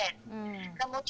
yang tidak menentu